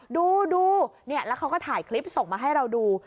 ดูแล้วเขาก็ถ่ายคลิปส่งมาให้เราดู